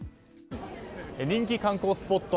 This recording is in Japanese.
人気観光スポット